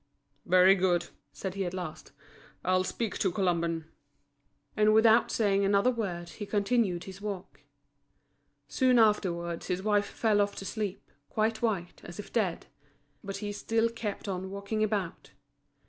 "Very good," said he at last, "I'll speak to Colomban." And without saying another word he continued his walk. Soon afterwards his wife fell off to sleep, quite white, as if dead; but he still kept on walking about.